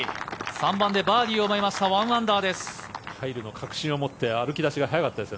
３番でバーディーを奪いました１アンダーです。